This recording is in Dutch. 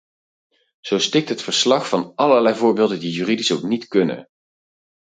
Zo stikt het verslag van allerlei voorbeelden die juridisch ook niet kunnen.